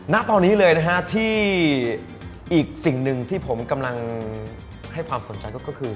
ณตอนนี้เลยนะฮะที่อีกสิ่งหนึ่งที่ผมกำลังให้ความสนใจก็คือ